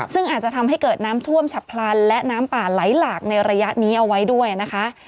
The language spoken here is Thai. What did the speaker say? ซึ่งอาจจะทำให้เกิดน้ำท่วมฉับพลันและน้ำป่าไหลหลากในระยะนี้เอาไว้ด้วยนะคะ